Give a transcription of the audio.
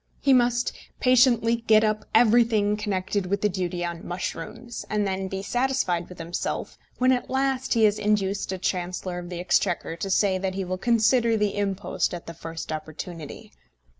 He must patiently get up everything connected with the duty on mushrooms, and then be satisfied with himself when at last he has induced a Chancellor of the Exchequer to say that he will consider the impost at the first opportunity.